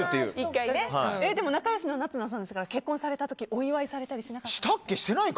仲良しの夏菜さんですから結婚された時お祝いされたりしました？